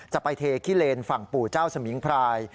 จะไปเทขี้เลนฝั่งปู่เจ้าสมิงพราย